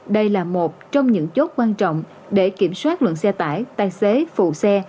đây là một trong những chốt quan trọng để kiểm soát lượng xe tải tài xế phù xe